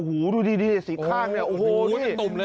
โอ้โฮดูดีสีข้างนี่โอ้โฮนี่